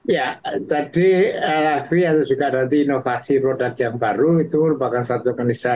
ya tadi lfp atau juga nanti inovasi roda yang baru itu merupakan suatu keniscayaan